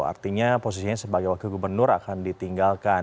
artinya posisinya sebagai wakil gubernur akan ditinggalkan